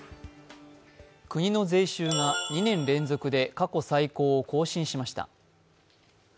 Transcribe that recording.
国の税収が２年連続で過去最高を更新しました。